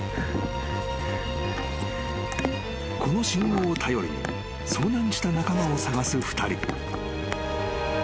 ［この信号を頼りに遭難した仲間を捜す２人］